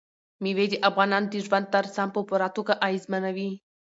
مېوې د افغانانو د ژوند طرز هم په پوره توګه اغېزمنوي.